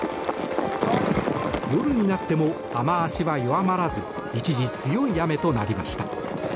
夜になっても雨脚は弱まらず一時、強い雨となりました。